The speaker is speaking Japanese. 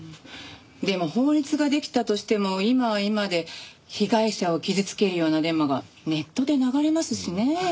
でも法律ができたとしても今は今で被害者を傷つけるようなデマがネットで流れますしね。